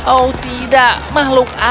oh tidak makhluk apa ini